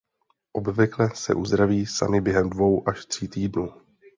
Obvykle se uzdraví samy během dvou až tří týdnů.